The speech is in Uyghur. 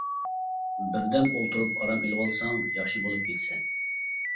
بىردەم ئولتۇرۇپ ئارام ئىلىۋالساڭ ياخشى بولۇپ كېتىسەن.